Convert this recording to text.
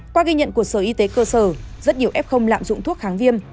qua ghi nhận của sở y tế cơ sở rất nhiều f lạm dụng thuốc kháng viêm